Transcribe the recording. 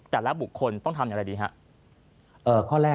แต่ละบุคคลต้องทำอย่างไรดีครับ